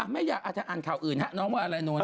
ไม่อยากอาจจะอ่านข่าวอื่นฮะน้องว่าอะไรนนท